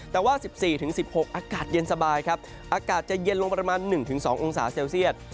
แต่ว่า๑๔๑๖องศาเซียตอากาศจะเย็นลงประมาณ๑๒องศาเซียต